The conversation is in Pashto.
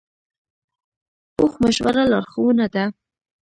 پوخ مشوره لارښوونه ده